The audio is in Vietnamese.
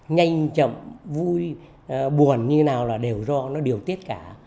nhanh chậm vui buồn như nào là đều do nó điều tiết cả